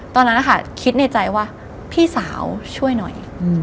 ตอนนั้นนะคะคิดในใจว่าพี่สาวช่วยหน่อย